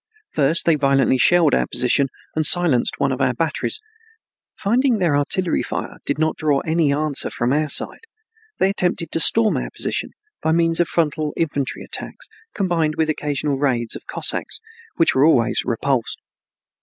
First they violently shelled our position and silenced one of our batteries. Finding their artillery fire did not draw any answer from our side, they attempted to storm our position by means of frontal infantry attacks, combined with occasional raids of Cossacks, which were always repulsed.